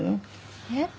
えっ？